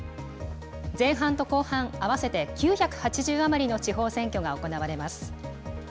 前半と後半合わせて９８０余りの地方選挙が行われます。